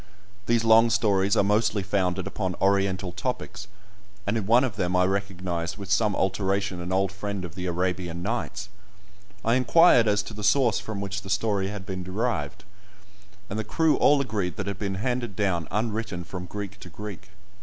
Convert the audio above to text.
These long stories are mostly founded upon Oriental topics, and in one of them I recognised with some alteration an old friend of the "Arabian Nights." I inquired as to the source from which the story had been derived, and the crew all agreed that it had been handed down unwritten from Greek to Greek.